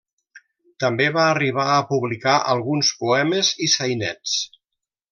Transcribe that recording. També va arribar a publicar alguns poemes i sainets.